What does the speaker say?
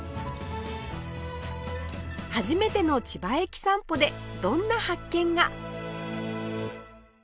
初めての千葉駅散歩でどんな発見が？